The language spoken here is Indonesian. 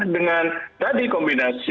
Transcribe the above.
dengan tadi kombinasi